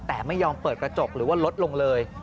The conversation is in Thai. แต่ไม่ยอมเปิดกระจกหรือว่าลดลงเลย